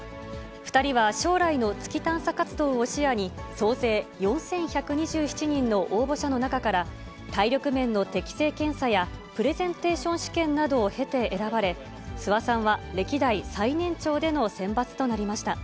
２人は将来の月探査活動を視野に、総勢４１２７人の応募者の中から、体力面の適性検査や、プレゼンテーション試験などを経て選ばれ、諏訪さんは歴代最年長での選抜となりました。